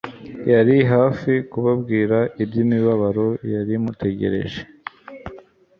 Yari hafi kubabwira iby'imibabaro yari imutegereje.